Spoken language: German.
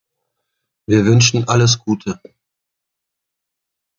Wir wünschen alles Gute!